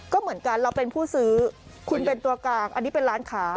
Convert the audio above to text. ก็เหมือนกันเราเป็นผู้ซื้อคุณเป็นตัวกลางอันนี้เป็นร้านค้า